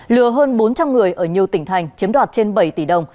lừa hơn bốn trăm linh người ở nhiều tỉnh thành chiếm đoạt trên bảy tỷ đồng